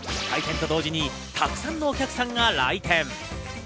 開店と同時にたくさんのお客さんが来店。